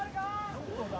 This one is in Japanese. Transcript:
・どこだ？